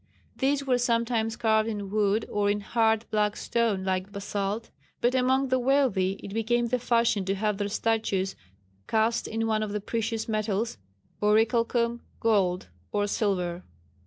These were sometimes carved in wood or in hard black stone like basalt, but among the wealthy it became the fashion to have their statues cast in one of the precious metals, aurichalcum, gold or silver.